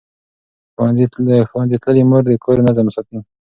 ښوونځې تللې مور د کور نظم ساتي.